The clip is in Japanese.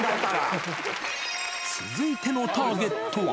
続いてのターゲットは。